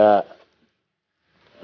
gak usah bercanda